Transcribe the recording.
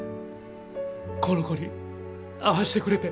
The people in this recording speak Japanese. この子に会わしてくれて。